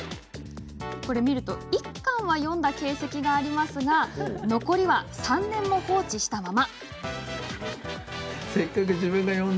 １巻は読んだ形跡がありますが残りは３年も放置したまま。